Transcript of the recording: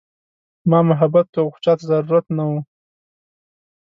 ما محبت کاوه خو چاته ضرورت نه وه.